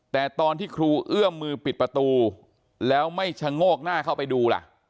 แต่ตอนที่ครูเอื้อมมือปิดประตูแล้วไม่ชะโงกหน้าเข้าไปดูล่ะ